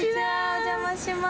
お邪魔します。